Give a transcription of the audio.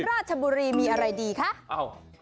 ราชบุรีมีอะไรดีคะเอ้า